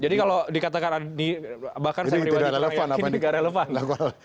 jadi kalau dikatakan bahkan saya meriwati ini tidak relevan